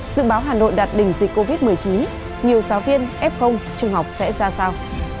dự báo hà nội đạt đỉnh dịch covid một mươi chín nhiều giáo viên ép không trường học sẽ ra sao